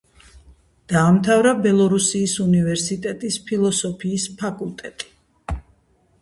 დაამთავრა ბელგრადის უნივერსიტეტის, ფილოსოფიის ფაკულტეტი.